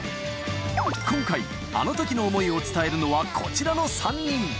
今回、あのときの思いを伝えるのはこちらの３人。